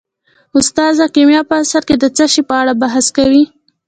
استاده کیمیا په اصل کې د څه شي په اړه بحث کوي